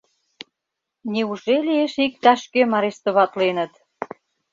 Неужели эше иктаж-кӧм арестоватленыт?